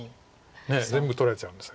全部取られちゃうんです。